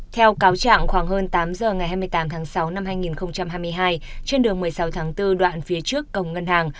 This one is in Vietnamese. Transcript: theo cáo trạng khoảng hơn tám giờ ngày hai mươi tám tháng sáu năm hai nghìn hai mươi hai trên đường một mươi sáu tháng bốn đoạn phía trước cổng ngân hàng